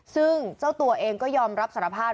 ซึ่งเจ้าตัวเองก็ยอมรับสารภาพ